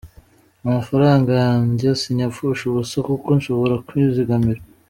Amafaranga yanjye sinyapfusha ubusa, kuko nshobora kwizigamira.